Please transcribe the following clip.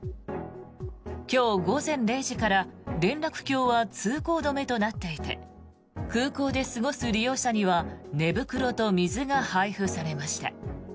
今日午前０時から連絡橋は通行止めとなっていて空港で過ごす利用者には寝袋と水が配布されました。